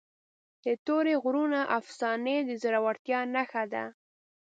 د تورې غرونو افسانې د زړورتیا نښه ده.